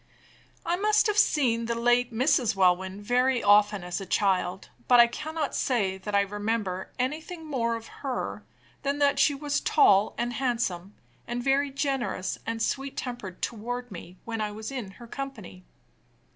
I must have seen the late Mrs. Welwyn very often as a child; but I cannot say that I remember anything more of her than that she was tall and handsome, and very generous and sweet tempered toward me when I was in her company.